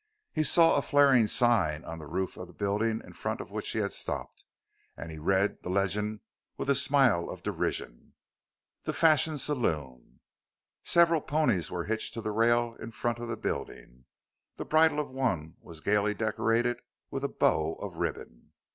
He saw a flaring sign on the roof of the building in front of which he had stopped and he read the legend with a smile of derision: "The Fashion Saloon." Several ponies were hitched to the rail in front of the building; the bridle of one was gaily decorated with a bow of ribbon.